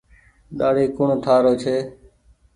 ڏآڙي ڪوڻ ٺآ رو ڇي۔